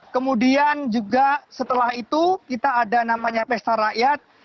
kemudian juga setelah itu kita ada namanya pesta rakyat